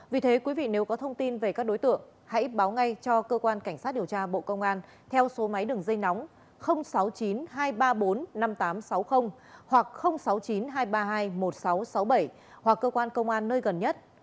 vì thế quý vị nếu có thông tin về các đối tượng hãy báo ngay cho cơ quan cảnh sát điều tra bộ công an theo số máy đường dây nóng sáu mươi chín hai trăm ba mươi bốn năm nghìn tám trăm sáu mươi hoặc sáu mươi chín hai trăm ba mươi hai một nghìn sáu trăm sáu mươi bảy hoặc cơ quan công an nơi gần nhất